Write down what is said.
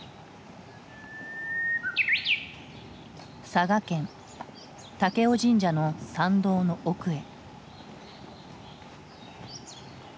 佐賀県武雄神社の参道の奥へ。